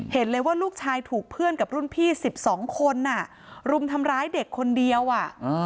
เห็นเลยว่าลูกชายถูกเพื่อนกับรุ่นพี่๑๒คนรุมทำร้ายเด็กคนเดียวอ่ะ